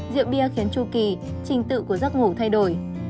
rượu bia khiến chu kỳ trình tự của giấc ngủ thay đổi